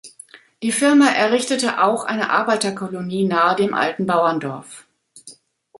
Die Firma errichtete auch eine Arbeiterkolonie nahe dem alten Bauerndorf.